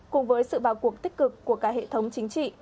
cùng với sự vào cuộc tích cực của cả hệ thống chính trị